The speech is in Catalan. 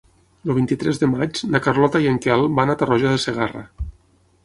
El vint-i-tres de maig na Carlota i en Quel van a Tarroja de Segarra.